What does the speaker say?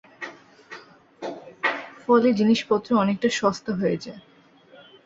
ফলে জিনিসপত্র অনেকটা সস্তা হয়ে যায়।